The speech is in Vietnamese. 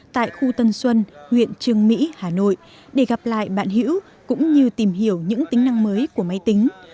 tại khu tân xuân huyện trương mỹ hà nội để gặp lại bạn hữu cũng như tìm hiểu những tính năng mới của máy tính